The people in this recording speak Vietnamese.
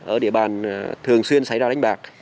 ở địa bàn thường xuyên xảy ra đánh bạc